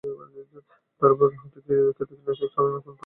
তার ওপর খেতে কীটনাশক ছিটানোর কারণে পরিবেশদূষণ বাড়ায় পাখির বিপন্নতাও বেড়েছে।